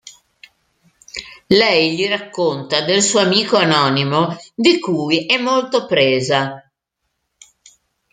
Lei gli racconta del suo amico anonimo di cui è molto presa.